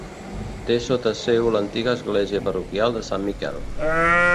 Té sota seu l'antiga església parroquial de Sant Miquel.